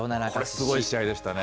これ、すごい試合でしたね。